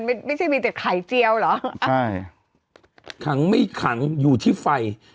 ไม่ใช่มีแต่ไข่เจียวเหรอใช่ขังไม่ขังอยู่ที่ไฟ